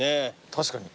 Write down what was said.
確かに。